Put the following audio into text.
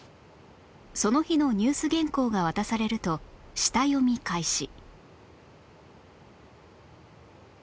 その日のニュース原稿が渡されると下読み開始